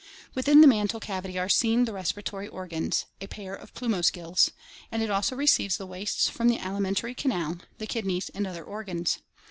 Within the mantle cavity are seen the respiratory organs — a pair of plumose gills — and it also receives the wastes from the ali mentary canal, the kidneys, and other organs.